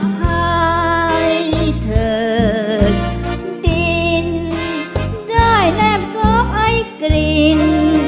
อภัยเถอะดินได้แน่บสอบไอ้กลิ่น